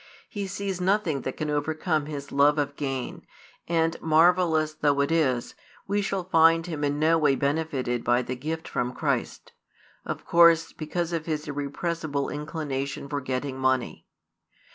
He sees nothing that can overcome his love of gain, and, marvellous though it is, we shall find him in no way benefited by the gift from Christ, of course because of his irrepressible inclination for getting money.